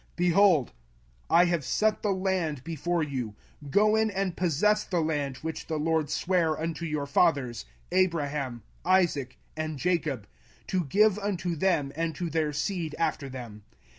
05:001:008 Behold, I have set the land before you: go in and possess the land which the LORD sware unto your fathers, Abraham, Isaac, and Jacob, to give unto them and to their seed after them.